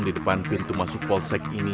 di depan pintu masuk polsek ini